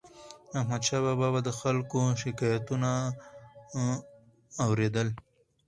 احمدشاه بابا به د خلکو شکایتونه اور يدل.